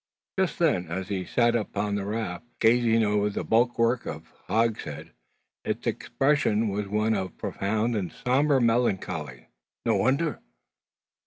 Just then, as he sat upon the raft, gazing over the bulwark of hogsheads, its expression was one of profound and sombre melancholy. No wonder!